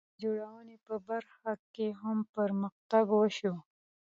د سړک جوړونې په برخه کې هم پرمختګ وشو.